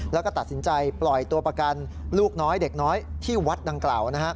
แล้วก็ตัดสินใจปล่อยตัวประกันลูกน้อยเด็กน้อยที่วัดดังกล่าว